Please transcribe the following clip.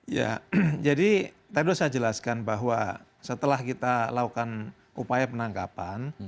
ya jadi tadi saya jelaskan bahwa setelah kita lakukan upaya penangkapan